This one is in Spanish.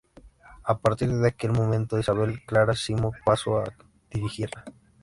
A partir de aquel momento Isabel Clara Simó pasó a dirigirla.